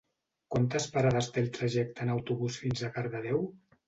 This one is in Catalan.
Quantes parades té el trajecte en autobús fins a Cardedeu?